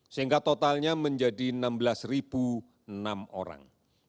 sehingga totalnya menjadi enam belas enam orang